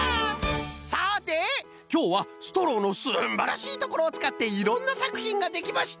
さてきょうはストローのすんばらしいところをつかっていろんなさくひんができました！